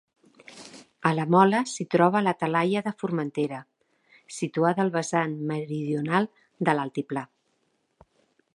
A la Mola s'hi troba la Talaia de Formentera, situada al vessant meridional de l'altiplà.